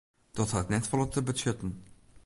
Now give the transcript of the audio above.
Dat hat net folle te betsjutten.